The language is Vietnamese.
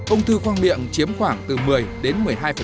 ung thư khoang miệng chiếm khoảng từ một mươi đến một mươi hai